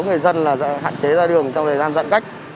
người dân là hạn chế ra đường trong thời gian giãn cách